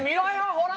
ほら！